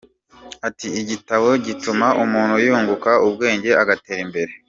Ati “Igitabo gituma umuntu yunguka ubwenge agatera imbere.